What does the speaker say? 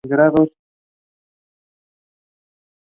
Wayne is Jewish.